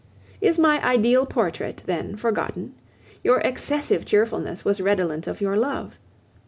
Is my ideal portrait, then, forgotten? Your excessive cheerfulness was redolent of your love.